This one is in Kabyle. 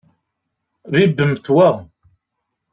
Bibbemt wa.